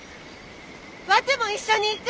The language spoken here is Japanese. ワテも一緒に行く！